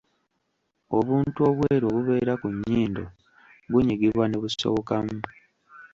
Obuntu obweru obubeera ku nnyindo bunyigibwa ne busowokamu.